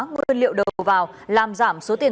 nguyên liệu đầu vào làm giảm số tiền